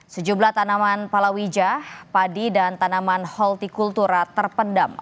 sejumlah tanaman palawijah padi dan tanaman holtikultura terpendam